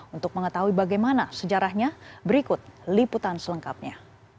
untuk mengetahui bagaimana sejarahnya berikut liputan selengkapnya